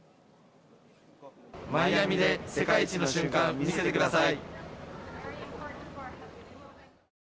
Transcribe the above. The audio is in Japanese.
マイアミで世界一の瞬間見せてください！